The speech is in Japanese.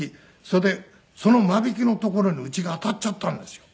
それでその間引きの所にうちが当たっちゃったんですよ。